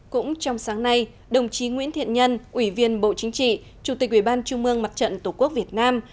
cũng trong sáng nay đồng chí nguyễn thiện nhân ủy viên bộ chính trị chủ tịch ubnd tổ quốc việt nam